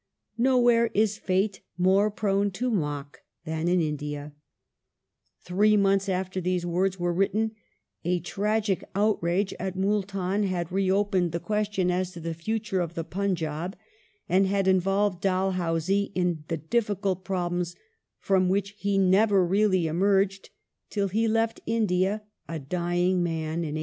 ^ Nowhere is fate more prone to mock than in India Three months after these words were written a tragic outrage at Miiltan had reopened the question as to the future of the Punjab, and had involved Dalhousie in the difficult problems from which he never really emerged till he left India, a dying man, in 1856.